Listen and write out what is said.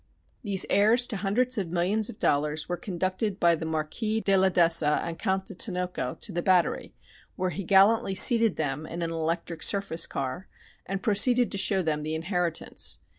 These heirs to hundreds of millions of dollars were conducted by the "Marquis de la d'Essa and Count de Tinoco" to the Battery, where he gallantly seated them in an electric surface car, and proceeded to show them the inheritance.